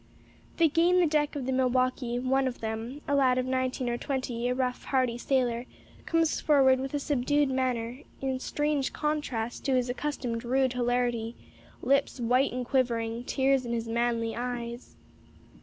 They gain the deck of the Milwaukee; one of them a lad of nineteen or twenty, a rough, hardy sailor comes forward with a subdued manner in strange contrast to his accustomed rude hilarity lips white and quivering, tears in his manly eyes.